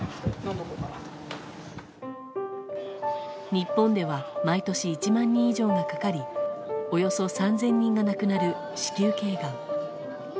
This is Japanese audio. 日本では毎年１万人以上がかかりおよそ３０００人が亡くなる子宮頸がん。